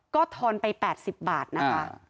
ก็ทอนไป๘๐บาทนะคะ